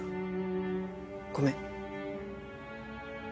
ごめん。